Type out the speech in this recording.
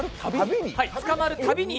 捕まるたびに？